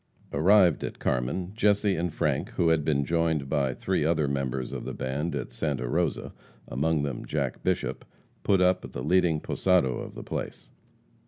Arrived at Carmen, Jesse and Frank, who had been joined by three other members of the band at Santa Rosa, among them Jack Bishop, put up at the leading posado of the place.